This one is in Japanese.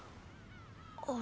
あれ？